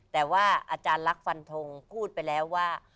แต่ว่าอาจารย์ลักษณ์ฟันทงพูดไปแล้วว่า